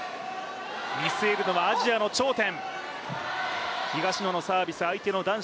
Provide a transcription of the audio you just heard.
見据えるのはアジアの頂点。